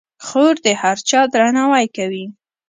خور د هر چا درناوی کوي.